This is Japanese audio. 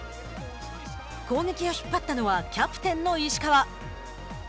攻撃を引っ張ったのはキャプテンの石川。